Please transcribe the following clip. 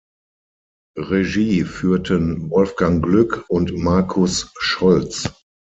Regie führten Wolfgang Glück und Marcus Scholz.